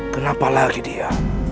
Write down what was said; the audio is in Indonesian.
kenapa lagi dia